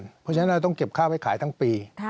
เพราะฉะนั้นเราต้องเก็บข้าวไว้ขายทั้งปี